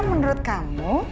karena menurut kamu